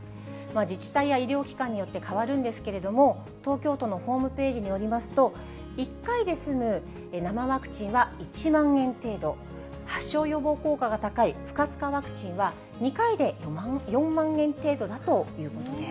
自治体や医療機関によって変わるんですけれども、東京都のホームページによりますと、１回で済む生ワクチンは１万円程度、発症予防効果が高い不活化ワクチンは、２回で４万円程度だということです。